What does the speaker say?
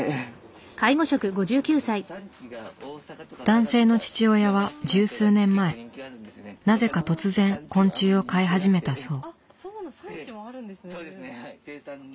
男性の父親は十数年前なぜか突然昆虫を飼い始めたそう。